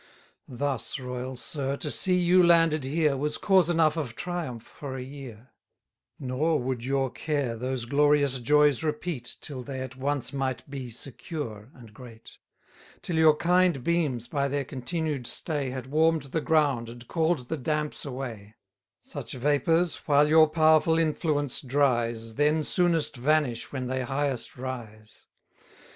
Thus, Royal Sir, to see you landed here, Was cause enough of triumph for a year: 10 Nor would your care those glorious joys repeat, Till they at once might be secure and great: Till your kind beams, by their continued stay, Had warm'd the ground, and call'd the damps away, Such vapours, while your powerful influence dries, Then soonest vanish when they highest rise.